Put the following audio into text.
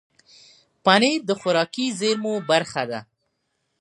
پنېر د خوراکي زېرمو برخه ده.